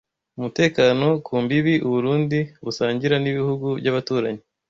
umutekano ku mbibi u Burundi busangira n’ibihugu by’abaturanyi